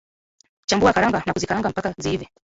Chambua karanga na kuzikaanga mpaka ziive